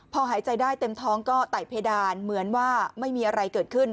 พอหายใจได้เต็มท้องก็ไต่เพดานเหมือนว่าไม่มีอะไรเกิดขึ้น